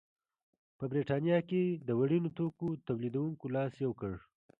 په برېټانیا کې د وړینو توکو تولیدوونکو لاس یو کړ.